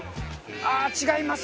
ああ違いますね。